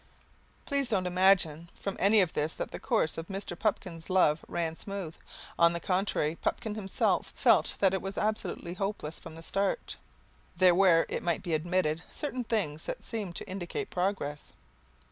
Please don't imagine from any of this that the course of Mr. Pupkin's love ran smooth. On the contrary, Pupkin himself felt that it was absolutely hopeless from the start. There were, it might be admitted, certain things that seemed to indicate progress.